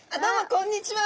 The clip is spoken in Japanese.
こんにちは。